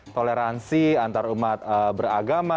toleransi antar umat beragama